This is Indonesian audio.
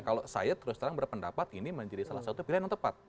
kalau saya terus terang berpendapat ini menjadi salah satu pilihan yang tepat